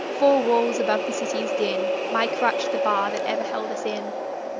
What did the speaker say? four walls above the city's din, My crutch the bar that ever held us in.